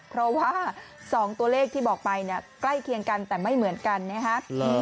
เพราะว่า๒ตัวเลขที่บอกไปเนี่ยใกล้เคียงกันแต่ไม่เหมือนกันนะฮะ